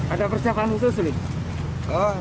ada persiapan khusus ige